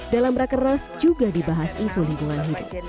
dalam rakernas juga dibahas isu lingkungan hidup